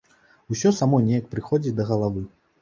Усё само неяк прыходзіць да галавы.